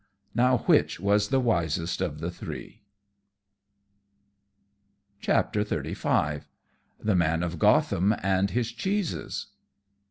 Now which was the wisest of the three? [Decoration] XXXV. _The Man of Gotham and his Cheeses.